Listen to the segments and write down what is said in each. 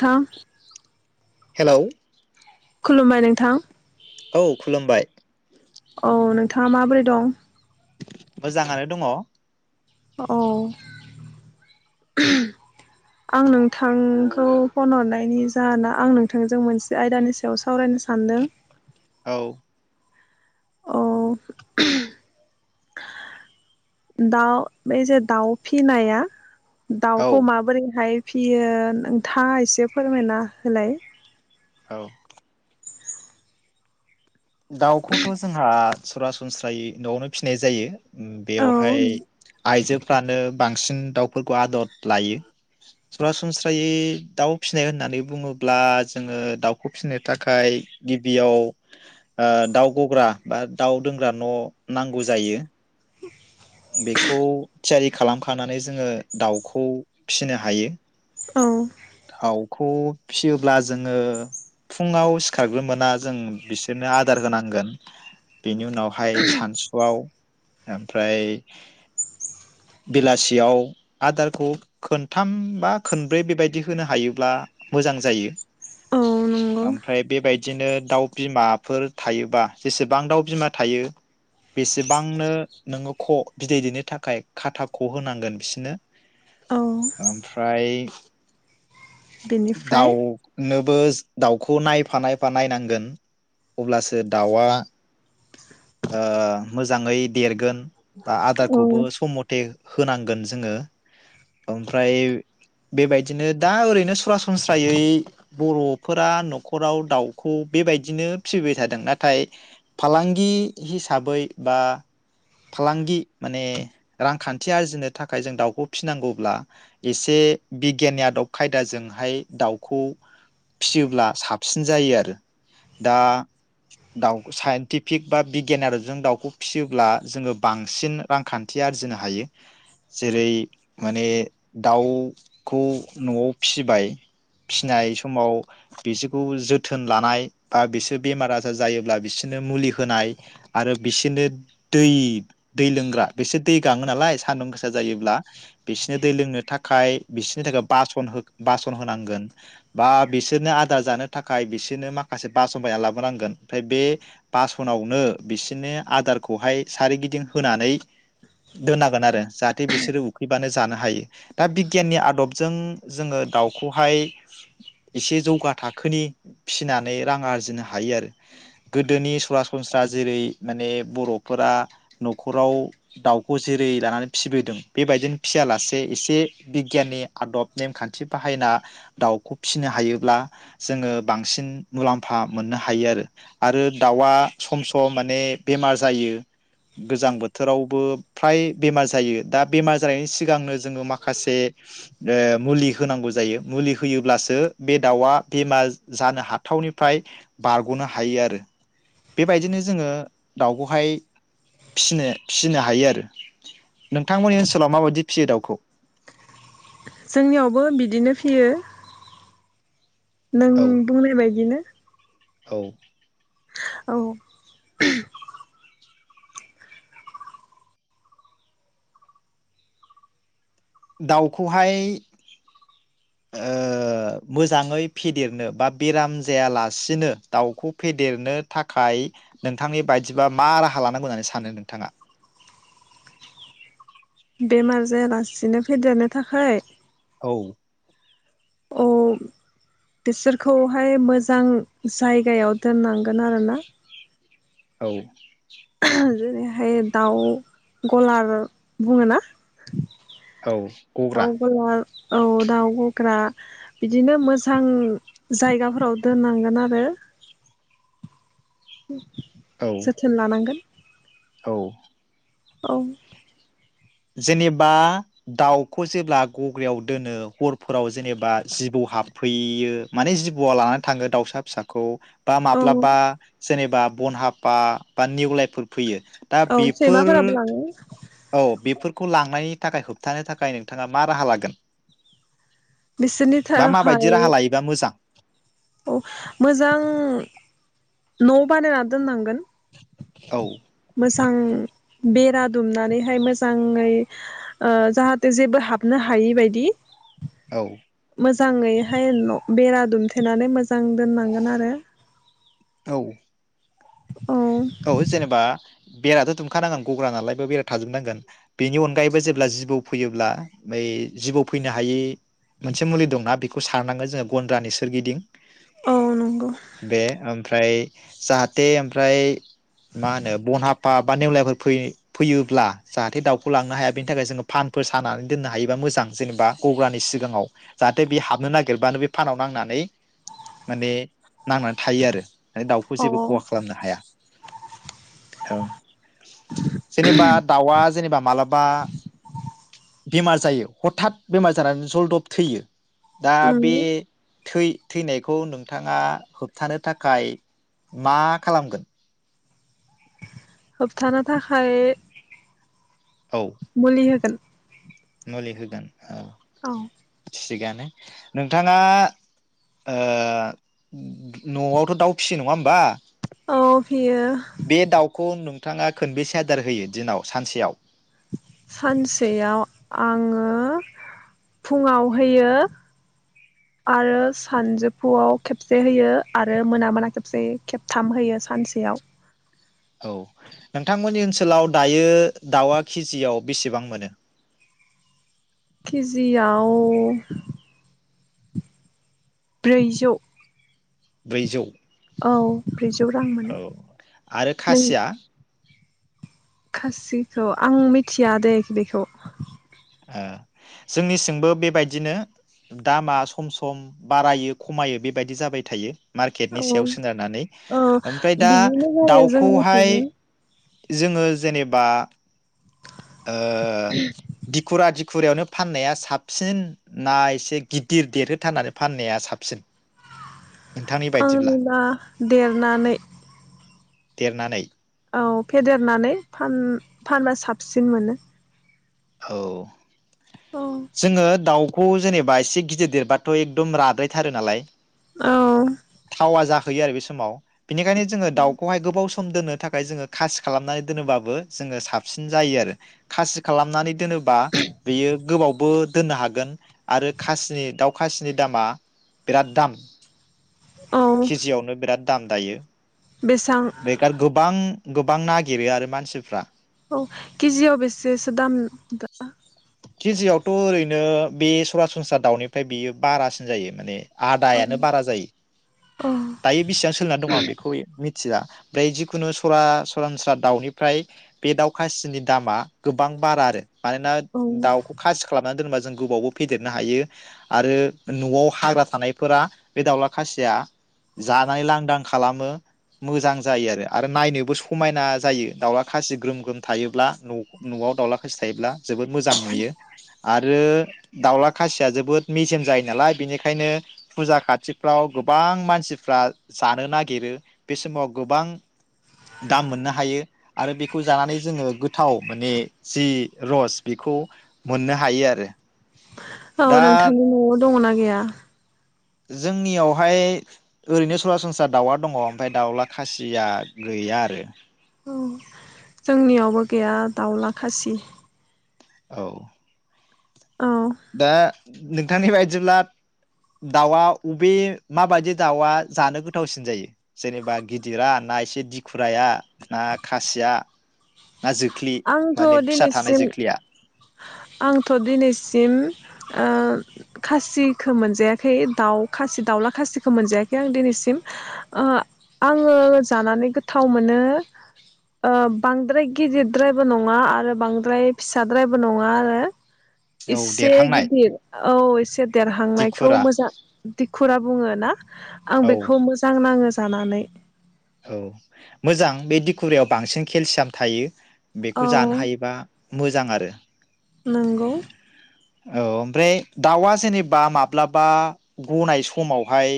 थां हेलौ खुलुमबाय नोंथां । औ खुलुमबाय औ नोंथाङा माबोरै दं? मोजांङानो दङ । औ आं नोंथांखौ फन हरनायनि जाहोना आं नोंथांजों मोनसे आयदानि सायाव सावरायनो सानदों औ अ दाउ बे जे दाउ फिनाया दाउखौ माबोरै हाय फियो नोंथाङा एसे फोरमायना होलाय? औ दाउखौथ जोंहा सरासनस्रायै नआवनो फिनाय जायो। औ बेवहाय आइजो फ्रानो बांसिन दाउफोरखौ आदर लायो सरासनस्रायै दाउ फिसिनाय होननानै बुङोब्ला जोङो दाउखौ फिनो थाखाय गिबियाव ओ दाउ गग्रा बा दाउ दोनग्रा न नांगौ जायो। बेखौ थियारि खालाम खांनानै जोङो दाउखौ फिसिनो हायो। औ खौ फिसियोब्ला जोङो फुङाव सिखारग्रोमोना जों बिसोरनो आदार होनांगोन बेनि उनावहाय सानसुआव ओमफ्राय बेलासियाव आदारखौ खोनथाम बा खोनब्रै बेबायदि होनो हायोब्ला मोजां जायो। औ नंगौ ओमफ्राय बेबायदिनो दाउ बिमाफोर थायोबा जेसेबां दाउ बिमा थायो बेसेबांनो नोङो ख बिदै दैनो थाखाय खाथा ख होनांगोन बिसोरनो औ ओमफ्राय बेनिफ्राय दाउ नोब बो दाउखौ नायफा नायफा नायनांगोन अब्लासो दाउआ ओ मोजाङै देरगोन। बा औ आदाखौबो सम मथे होनांगोन जोङो ओमफ्राय बेबायदिनो दा ओरैनो सरासनस्रायै बरफोरा नखराव दाउखौ बेबायदिनो फिसिबाय थादों नाथाय फालांगि हिसाबै बा फालांगि माने रांखान्थि आरजिनो थाखाय जों दाउखौ फिसिनांगौब्ला एसे बिगियनि आदब खायदाजोंहाय दाउखौ फिसियोब्ला साबसिन जायो आरो दा दाउ साइन्टिफिक बा बिगियान आदबजों दाउखौ फिसियोब्ला जोङो बांसिन रांखान्थि आरजिनो हायो जेरै-माने दाउ खौ न'आव फिबाय फिनाय समाव बिसोरखौ जोथोन लानाय बा बिसोर बेमार आजार जायोब्ला बिसोरनो मुलि होनाय आरो बिसोरनो दै दै लोंग्रा बिसोर दै गाङो नालाय सान्दुं गोसा जायोब्ला बिसोरनो दै लोंनो थाखाय बिसोरनि थाखाय बासन बासन होनांगोन बा बिसोरनो आदार जानो थाखाय बिसोरनो माखासे बासन बायना लाबोनांगोन ओमफ्राय बे बासनावनो बिसोरनो आदारखौहाय सारिगिदिं। होनानै दोननांगोन आरो जाहाथे बिसोरो उखैबानो जानो हायो दा बिगियाननि आदबजों जोङो दाउखौहाय एसे जौगा थाखोनि फिनानै रां आरजिनो हायो आरो गोदोनि सरासनस्रा जेरै माने बरफोरा नखराव दाउखौ जेरै लानानै फिबोदों बेबायदिनो फिसियालासे एसे बिगियाननि आदब नेमखान्थि बाहायना दाउखौ फिसिनो हायोब्ला जोङो बांसिन मुलाम्फा मोननो हायो आरो आरो दाउआ सम सम माने बेमार जायो गोजां बोथोरावबो फ्राय बेमार जायो दा बेमार जानायनि सिगांनो जोङो माखासे ओ मुलि होनांगौ जायो मुलि होयोब्लासो बे दाउआ बेमार जानो हाथावनिफ्राय बारगनो हायो आरो बेबायदिनो जोङो दाउखौहाय फिनो फिसिनो हायो आरो नोंथांमोननि ओनसोलाव माबायदि फियो दाउखौ? जोंनियावबो बिदिनो फियो नों औ बुंनाय बायदिनो औ औ दाउखौहाय ओ मोजाङै फेदेरनो बा बेराम जायालासिनो दाउखौ फेदेरनो थाखाय नोंथांनि बायदिबा मा राहा लानांगौ होननानै सानो नोंथाङा? बेमार जायालासिनो फेदेरनो थाखाय औ। अ बिसोरखौहाय मोजां जायगायाव दोननांगोन आरोना। औ। जेरैहाय दाउ गलार बुङोना। औ गग्रा दाउ गलार औ दाउ गग्रा बिदिनो मोजां जायगाफोराव दोननांगोन आरो औ जोथोन लानांगोन। औ औ जेनेबा दाउखौ जेब्ला गग्रायाव दोनो हरफोराव जेनेबा जिबौ हाबफैयो माने जिबौआ लानानै थाङो दाउसा फिसाखौ बा औ माब्लाबा जेनेबा बनहाफा बा निवलायफोर फैयो दा औ बेफोर सैमाफोराबो लाङो। औ बेफोरखौ लांनाय थाखाय होबथानो थाखाय नोंथाङा मा राहा लागोन? बिसोरनि बा थाखाय माबायदि राहा लायोबा मोजां अ मोजां न बानायना दोननांगोन। औ थां बेरा दुमनानैहाय मोजाङै ओ जाहाथे जेबो हाबनो हायि बायदि। औ मोजाङैहाय न बेरा दुमथेनानै मोज मोजां दोननांगोन आरो औ औ औ जेनेबा बेराथ दुमखानांगोन गग्रानालाइ बेयाव बेरा थाजोबनांगोन बेनि अनगायैबो जेब्ला जिबौ फैयोब्ला बै जिबौ फैनो हायि मोनसे मुलि दंना बेखौ सारनांगोन जोङो गन्द्रानि सोरगिदिं। औ नंगौ बे आ फाय जाहाथे ओमफ्राय मा होनो बन हाफा बा नेवलायफोर फै-फैयोब्ला जाहाथे दाउखौ लांनो हाया बेनि थाखाय जोङो फानफोर सानानै दोननो हायोबा मोजां जेनेबा गग्रानि सिगाङाव जाहाथे बे हाबनो नागिरबानो बे फानाव नांनानै माने नांनानै थायो आरो । दाउखौ अ जेबो खहा खालामनो हाया । औ, जेनेबा दाउआ जेनेबा मालाबा बेमार जायो, हथात बेमार जानानै जलदब थैयो दा बे नंगौ थै-थैनायखौ नोंथाङा होबथानो थाखाय मा खालामगोन? होबथानो थाखाय औ मुलि होगोन। मुलि होगोन । औ । थिगानो नोंथाङा ओ न'आवथ' दाउ फिसियो नङा होमबा औ फियो बे दाउखौ नों नोंथाङा खोनबेसे आदार होयो दिनाव सानसेयाव सानसेयाव आङो फुङाव होयो आरो सानजोफुआव खेबसे होयो आरो मोना मोना खेबसे होयो खेबथाम होयो सानसेयाव औ, नोंथांमोननि ओनसोलाव दायो दाउआ केजियाव बेसेबां मोनो? खिजियाव ब्रैजौ। ब्रैजौ । औ ब्रैजौ रां मोनो आरो । नों खासिया खासिखौ आं मिथिया दे बेखौ । ओ, जोंनिसिंबो बेबायदिनो दामा सम सम बारायो खमायो बेबायदि जाबाय थायो । मार्केटनि औ सायाव सोनारनानै औ ओमफाय दा बिदिनो जायो दाउखौहाय जोंनिथिंबो जोङो जेनेबा ओ दिखुरा दि खुरायावनो फाननाया साबसिन ना एसे गिदिर देरहोथारनानै फाननाया साबसिन नोंथांनि बायदिब्ला आंनिबा देरनानै देरनानै। औ, फेदेरनानै फान-फानबा साबसिन मोनो । औ। जोङो दाउ खौ जेनेबा एसे गिदिर देरबाथ' एकदम राद्रायथारो नालाय। औ थावा जाख फैयो आरो बे समाव बेनिखायनो जोङो दाउखौहाय गोबावस खोम दोननो थाखाय जोंङो खासि खालामनानै दोनोबाबो जोंङो साबसिन जायो आरो खासि खालाम नानै दोनोबा बेयो गोबावबो दोननो हागोन आरो खासिनि दाउ खासिनि दामा बिराद दाम औ केजियावनो बिराद दाम दायो बेसां बेखार गोबां गोबां नागिरो आरो मानसिफ्रा औ केजियाव बेसेसो दाम दा केजियावथ ओरैनो बे सरासनस्रा दाउनिफ्राय बेयो बारासिन जायो माने औ आदायानो बारा जायो औ दायो बेसेबां सोलिनानै दं आं बेखौ मिथिया ओमफ्राय जि जिखुनु सरा सरासरनस्रा दाउनिफ्राय बे दाउ खासिनि दामा गोबां बारा आरो मानोना औ दाउखौ खासि खा खालामना दोनबा जों गोबावबो फेदेरनो हायो आरो नआव हाग्रा थानायफोरा बे दाावला खासिया जानानै लांदां खालामो मोजां जायो आरो आरो नायनोबो समायना जायो दाउला खासि ग्रोम ग्रोम थायोब्ला नआव दाउला खासि थायोब्ला जोबोर मोजां नुयो आरो दाउला खासिया जोबोद मेजेम जायो नालाय बेनिखायनो फुजा खाथिफ्राव गोबां मानसिफ्रा जानो नागिरो बे समाव गोबां दाम मोननो हायो आरो बेखौ जानानै जोंङो गोथाव माने जि रस बेखौ मोननो हायो आरो। औ दा नोंथांनि नआव दंङ ना गैया जोंनियावहाय ओरैनो सरासनस्रा दाउआ दङ ओमफ्राय दाउला खासिया गैया आरो। औ जोंनियावबो गैया दाउला खासि औ औ दा नोंथांनि बायदिब्ला दाउआ अबे माबायदि दाउआ जानो गोथावसिन जायो जेनेबा गिदिरा ना एसे दिखुराया ना खासिया ना जोख्लि आंथ माने फिसा थानाय दिनैसिम जोख्लिया आंथ दिनैसिम ओ खासिखौ मोनजायाखै दाउ खासि दाउला खासिखौ मोनजायाखै आं दिनैसिम ओ आंङो जानानै गोथाव मोनो ओ बांद्राय गिदिर द्रायबो नङा आरो बांद्राय फिसाद्रायबो नङा आरो। औ इसे देरहांनाय गिदिर औ एसे देरहांनायखौ दिखुरा मोजां दिखु फोरा बुंङो ना? आं औ बेखौ मोजां नांङो जानानै औ मोजां बे दिखुरायाव बांसिन केलसियाम थायो। औ बेखौ जानो हायोबा मोजां आरो नंगौ। औ ओमफ्राय दाउआ जेनेबा माब्लाबा गनाय समावहाय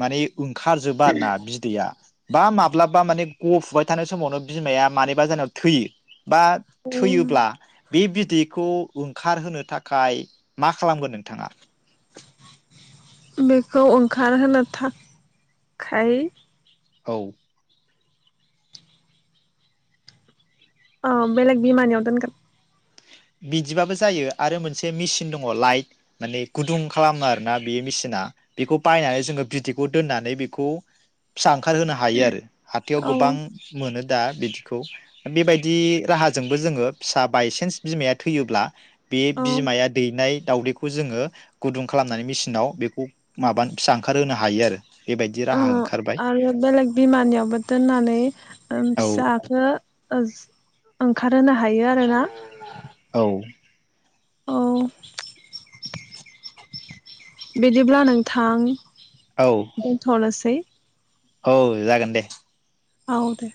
माने ओंखारजोबा आरो ना बिदैया बा माब्लाबा माने गफुबाय थानाय समावनो बिमाया मानिबा जानायाव थैयो बा थैयोब्ला बि बिदिग खौ ओंखारहोनो थाखाय मा खालामगोन नोंथाङा? बेखौ ओंखारहोनो थाखाय औ। औ बेलेग बिमानियाव दोनगोन। बिदिबाबो जायो आरो मोनसे मेसिन दङ लाइट माने गुदुं खालामो आरोना बे मेसिना। बेखौ बायनानै जोङो बिदैखौ दोननानै बेखौ फिसा ओंखारहोनो हायो आरो। हाथायाव औ गोबां मोनो दा बिदिखौ बेबायदि राहाजोंबो जोङो फिसा बायसान्स बिमाया थैयोब्ला बे औ बिमाया दैनाय दावदैखौ जोङो गुदुं खालामनानै मेसिनाव बेखौ माबानो फिसा ओंखारहोनो हायो आरो। बेबायदि राहा अ ओंखारबाय आरो बेलेग बिमानियावबो दोननानै औ फिसाखौ ओं ओंखारहोनो हायो आरोना? औ। औ बिदिब्ला नोंथां औ दोनथनोसै। औ जागोन दे औ दे।